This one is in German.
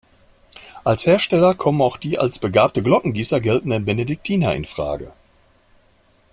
Als Hersteller kommen auch die als begabte Glockengießer geltenden Benediktiner in Frage.